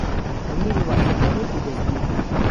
به منی ببهخشه تۆ نەیکەی دهزگیر